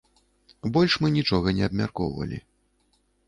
Больш мы нічога не абмяркоўвалі.